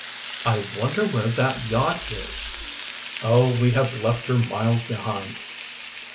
"I wonder where that yacht is?" "Oh, we have left her miles behind."